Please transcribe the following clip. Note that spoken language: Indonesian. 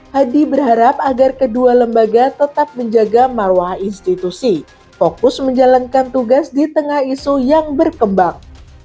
hadi berharap agar kedua lembaga tetap menjaga marwah institusi fokus menjalankan tugas di tengah isu yang berkembang